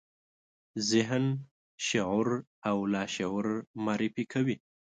ذهن، شعور او لاشعور معرفي کوي.